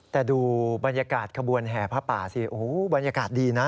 แต่ดูบรรยากาศขบวนแห่ผ้าป่าสิโอ้โหบรรยากาศดีนะ